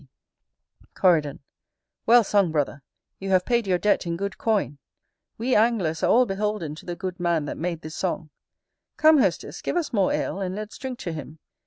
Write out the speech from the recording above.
W. B. Coridon. Well sung, brother, you have paid your debt in good coin. We anglers are all beholden to the good man that made this song: come, hostess, give us more ale, and let's drink to him.